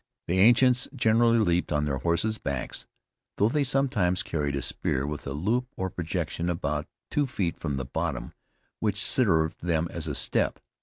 The ancients generally leaped on their horse's backs, though they sometimes carried a spear, with a loop or projection about two feet from the bottom which served them as a step.